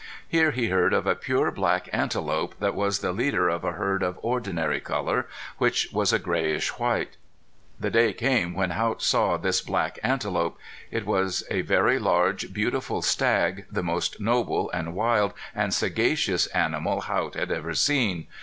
Here he heard of a pure black antelope that was the leader of a herd of ordinary color, which was a grayish white. The day came when Haught saw this black antelope. It was a very large, beautiful stag, the most noble and wild and sagacious animal Haught had ever seen.